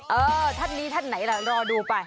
เออท่านนี้ท่านไหนล่ะรอดูไป